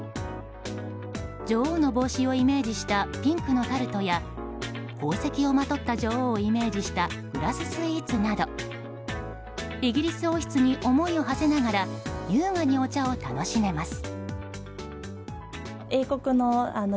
女王の帽子をイメージしたピンクのタルトや宝石をまとった女王をイメージしたグラススイーツなどイギリス王室に思いをはせながら優雅にお茶を楽しめます。